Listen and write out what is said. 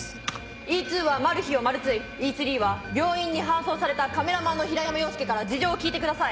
Ｅ２はマルヒをマル追Ｅ３は病院に搬送されたカメラマンの平山洋介から事情を聞いてください。